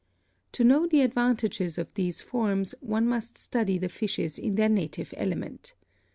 To know the advantages of these forms one must study the fishes in their native element.